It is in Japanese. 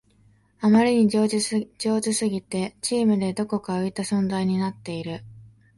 あまりに上手すぎてチームでどこか浮いた存在になっている